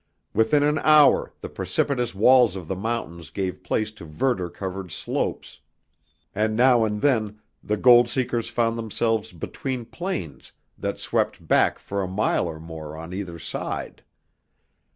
Within an hour the precipitous walls of the mountains gave place to verdure covered slopes, and now and then the gold seekers found themselves between plains that swept back for a mile or more on either side.